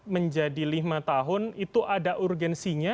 menjadi lima tahun itu ada urgensinya